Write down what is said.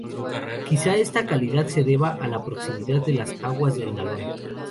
Quizá esta calidad se deba a la proximidad de las aguas del Nalón.